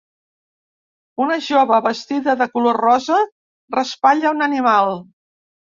Una jove vestida de color rosa raspalla un animal.